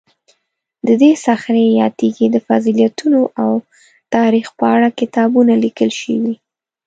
د دې صخرې یا تیږې د فضیلتونو او تاریخ په اړه کتابونه لیکل شوي.